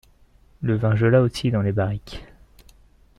Le vin gela aussi dans les barriques.